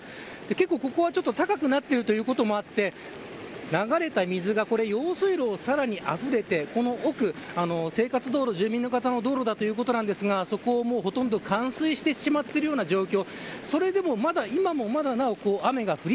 ここは結構高くなっているということもあって流れた水が用水路をさらにあふれてこの奥、生活道路住民の方も使う道路だということですがそこはほとんど冠水してしまっているような状況。